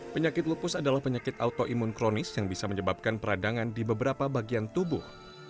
penyakit lupus adalah penyakit autoimun kronis yang bisa menyebabkan peradangan di beberapa bagian tubuh